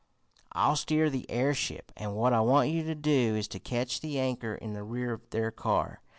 I'll steer the airship, and what I want you to do is to catch the anchor in the rear of their car.